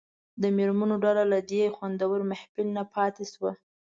د مېرمنو ډله له دې خوندور محفل نه پاتې شوه.